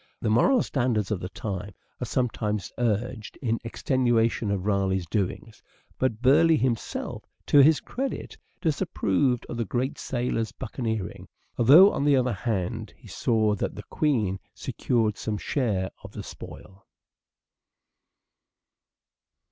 The moral standards of the time are sometimes urged in extenuation of Raleigh's doings ; but Burleigh himself, to his credit, disapproved of the great sailor's buccaneering, although on the other EARLY MANHOOD OF EDWARD DE VERE 265 hand he saw that the Queen secured some share of the spoil.